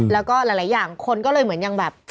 แล้วก็หลายอย่างคนก็เลยเหมือนยังแบบ